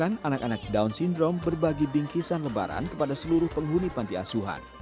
pantiasuhan dan anak anak down syndrome berbagi bingkisan lebaran kepada seluruh penghuni pantiasuhan